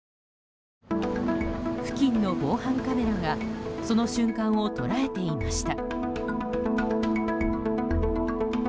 付近の防犯カメラがその瞬間を捉えていました。